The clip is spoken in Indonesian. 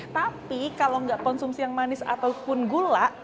tapi kalau nggak konsumsi yang manis ataupun gula